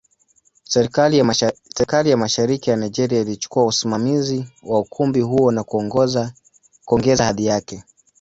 Serikali ya Mashariki ya Nigeria ilichukua usimamizi wa ukumbi huo na kuongeza hadhi yake.